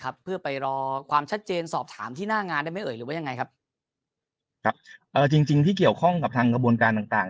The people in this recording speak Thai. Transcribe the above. ครับเพื่อไปรอความชัดเจนสอบถามที่หน้างานได้ไหมเอ่ยหรือว่ายังไงครับครับเอ่อจริงจริงที่เกี่ยวข้องกับทางกระบวนการต่างต่าง